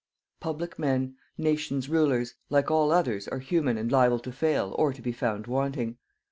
Public men, nations rulers, like all others are human and liable to fail or to be found wanting.